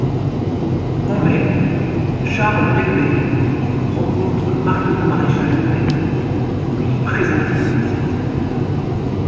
En mai, Charles Beigbeder rencontre Marion Maréchal-Le Pen pour lui présenter l'initiative.